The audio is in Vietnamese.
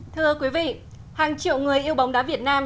thưa quý vị hàng triệu người yêu bóng đá việt nam